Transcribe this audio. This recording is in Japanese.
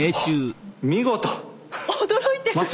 驚いてる！